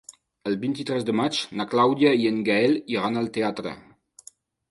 El vint-i-tres de maig na Clàudia i en Gaël iran al teatre.